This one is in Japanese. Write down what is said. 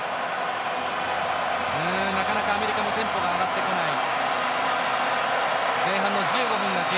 なかなかアメリカもテンポが上がってこない。